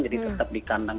jadi tetap di kandang